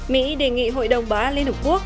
mỹ đề nghị hội đồng bá liên hợp quốc